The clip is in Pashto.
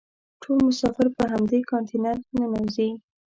ټول مسافر په همدې کانتینر ننوزي.